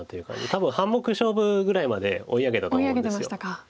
多分半目勝負ぐらいまで追い上げたと思うんです。